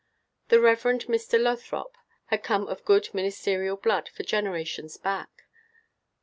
The Rev. Mr. Lothrop had come of good ministerial blood for generations back.